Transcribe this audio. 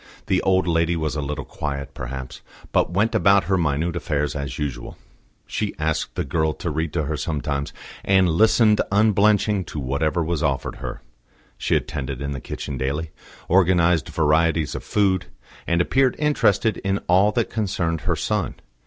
The old lady was a little quiet, perhaps, but went about her minute affairs as usual. She asked the girl to read to her sometimes, and listened unblenching to whatever was offered her; she attended in the kitchen daily, organised varieties of food, and appeared interested in all that concerned her son.